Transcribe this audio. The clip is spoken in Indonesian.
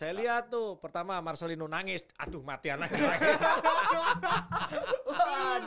saya lihat tuh pertama marcelino nangis aduh mati anaknya lagi